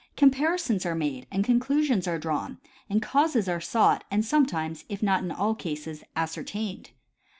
Comparisons are made and conclusions are drawn, and causes are sought and sometimes, if not in all cases, ascertained.